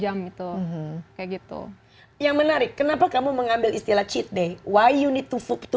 jam itu kayak gitu yang menarik kenapa kamu mengambil istilah cheat day why you need to